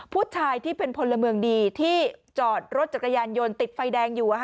ผู้ชายที่เป็นพลเมืองดีที่จอดรถจักรยานยนต์ติดไฟแดงอยู่